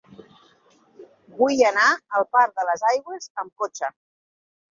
Vull anar al parc de les Aigües amb cotxe.